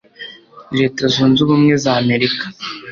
Leta Zunze Ubumwe z'Amerika